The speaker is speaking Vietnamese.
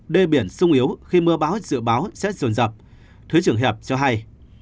đê biển sung yếu khi mưa báo dự báo sẽ dồn dập thứ trưởng hiệp cho hay